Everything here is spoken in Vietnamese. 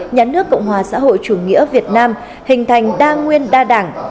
nhà nước cộng hòa xã hội chủ nghĩa việt nam hình thành đa nguyên đa đảng